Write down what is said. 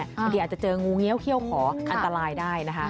บางทีอาจจะเจองูเงี้ยวเขี้ยวขออันตรายได้นะคะ